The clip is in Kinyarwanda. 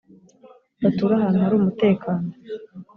bature ahantu hari umutekano